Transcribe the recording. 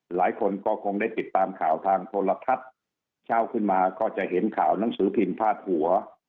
หลายคนก็คงได้ติดตามข่าวทางโทรทัศน์เช้าขึ้นมาก็จะเห็นข่าวหนังสือพิมพ์พาดหัว